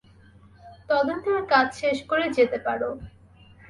তাদের কাজ শেষ করে যেতে পারো।